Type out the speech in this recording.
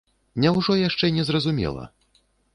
Няўжо яшчэ не зразумела?